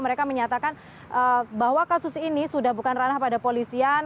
mereka menyatakan bahwa kasus ini sudah bukan ranah pada polisian